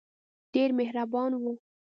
ډېر مهربان وو.